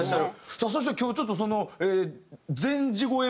さあそして今日ちょっとその。